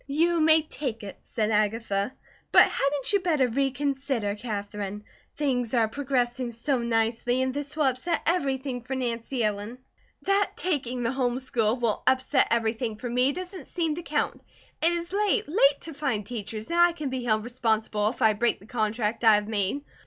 "You may take it," said Agatha, "but hadn't you better reconsider, Katherine? Things are progressing so nicely, and this will upset everything for Nancy Ellen." "That taking the home school will upset everything for me, doesn't seem to count. It is late, late to find teachers, and I can be held responsible if I break the contract I have made.